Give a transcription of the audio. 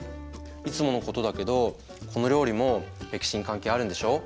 いつものことだけどこの料理も歴史に関係あるんでしょう？